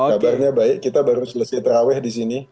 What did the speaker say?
kabarnya baik kita baru selesai terawih di sini